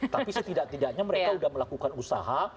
tapi setidak tidaknya mereka sudah melakukan usaha